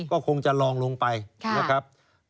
ก็คงจะลองลงไปนะครับ